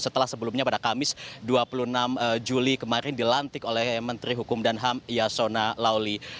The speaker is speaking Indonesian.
setelah sebelumnya pada kamis dua puluh enam juli kemarin dilantik oleh menteri hukum dan ham yasona lauli